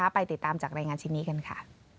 ไปติดตามจากรายงานชิ้นนี้กันค่ะ